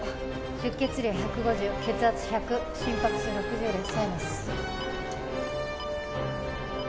出血量１５０血圧１００心拍数６０でサイナス。